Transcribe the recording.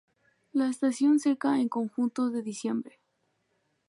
La estación seca en conjuntos de diciembre.